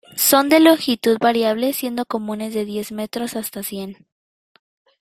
Son de longitud variable siendo comunes de diez metros hasta cien.